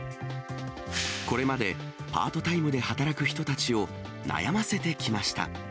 これまでパートタイムで働く人たちを悩ませてきました。